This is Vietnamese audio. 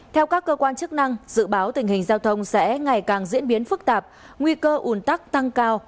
theo các cơ quan chức năng dự báo tình hình giao thông sẽ ngày càng diễn biến phức tạp nguy cơ ủn tắc tăng cao